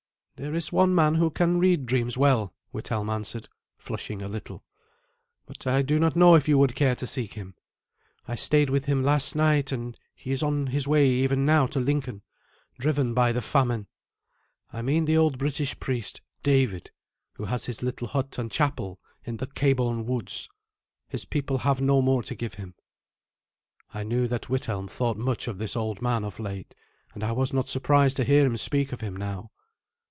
"There is one man who can read dreams well," Withelm answered, flushing a little, "but I do not know if you would care to seek him. I stayed with him last night, and he is on his way even now to Lincoln, driven by the famine. I mean the old British priest David, who has his little hut and chapel in the Cabourn woods. His people have no more to give him." I knew that Withelm thought much of this old man of late, and I was not surprised to hear him speak of him now.